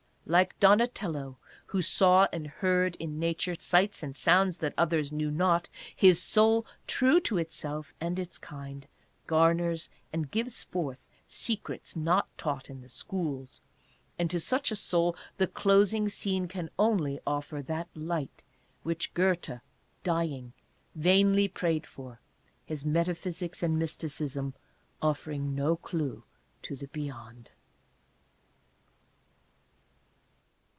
Like Donatello, who saw and heard in Nature sights and sounds that others knew not, his soul, true to itself and its kind, garners and gives forth secrets not taught in the schools, and to such a soul the closing scene can only offer BONSALL—EYRE. 45 that " Light" which Goethe, dying, vainly prayed for, his meta physics and mysticism offering no clue to the Beyond.